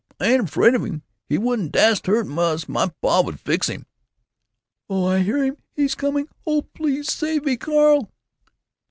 I ain't afraid of him—he wouldn't dast hurt us or my pa would fix him." "Oh! I hear him! He's coming! Oh, please save me, Carl!"